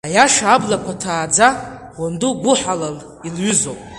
Аиаша аблақәа ҭааӡа, уанду гәыҳалал илҩызоуп.